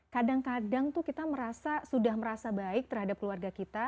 kadang kadang tuh kita merasa sudah merasa baik terhadap keluarga kita